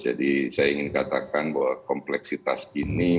jadi saya ingin katakan bahwa kompleksitasnya